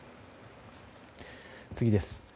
次です。